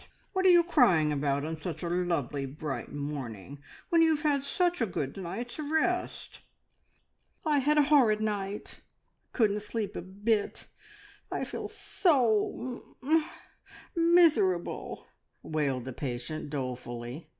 What are you crying about on such a lovely, bright morning, when you have had such a good night's rest?" "I had a horrid night. I couldn't sleep a bit. I feel so mum mum miserable!" wailed the patient dolefully.